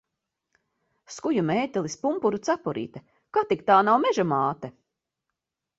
Skuju mētelis, pumpuru cepurīte. Kad tik tā nav Meža māte?